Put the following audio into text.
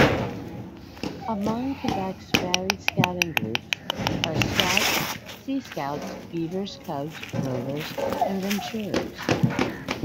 Among Quebec's varied Scouting groups are Scouts, Sea Scouts, Beavers, Cubs, Rovers and Venturers.